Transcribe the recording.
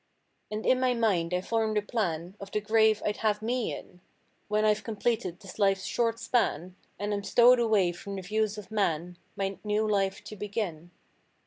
And in my mind I form the plan Of the grave I'd have me in. When I've completed this life's short span. And am stowed away from the views of man, My new life to begin.